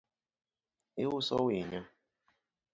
Iuso winyo?